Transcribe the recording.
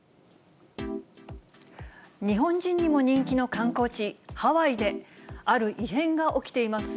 日本人にも人気の観光地、ハワイで、ある異変が起きています。